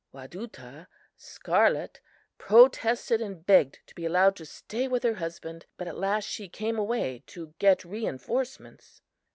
"Wadutah (Scarlet) protested and begged to be allowed to stay with her husband, but at last she came away to get reinforcements.